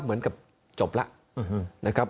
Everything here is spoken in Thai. เหมือนกับจบแล้วนะครับ